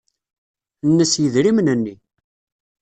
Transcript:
Nnes yidrimen-nni.